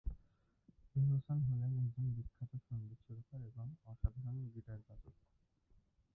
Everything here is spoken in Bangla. এহসান হলেন একজন বিখ্যাত সঙ্গীত সুরকার এবং একজন অসাধারণ গিটার বাদক।